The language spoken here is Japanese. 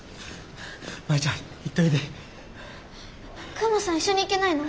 クマさん一緒に行けないの？